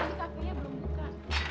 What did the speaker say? tapi kakinya belum buka